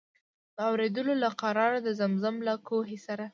د اورېدلو له قراره د زمزم له کوهي سره.